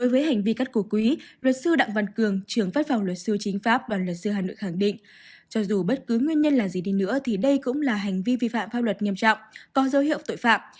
với hành vi cắt cổ quỹ luật sư đặng văn cường trưởng văn phòng luật sư chính pháp đoàn luật sư hà nội khẳng định cho dù bất cứ nguyên nhân là gì đi nữa thì đây cũng là hành vi vi phạm pháp luật nghiêm trọng có dấu hiệu tội phạm